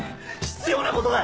必要なことだ！